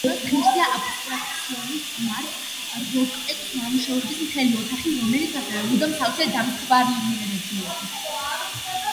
აღნიშვნის ღირსია აბსტრაქციონისტ, მარკ როტკოს, ნამუშევრების მთელი ოთახი, რომელიც ასევე მუდამ სავსეა დამთვალიერებლებით.